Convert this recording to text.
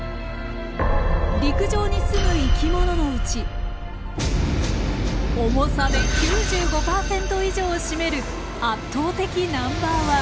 陸上に住む生き物のうち重さで９５％以上を占める圧倒的ナンバーワン。